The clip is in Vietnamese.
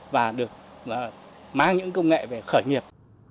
và được mang những công nghệ về khởi nghiệp